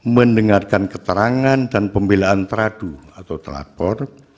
mendengarkan keterangan dan pembelaan teradu atau terlapor